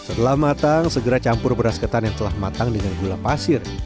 setelah matang segera campur beras ketan yang telah matang dengan gula pasir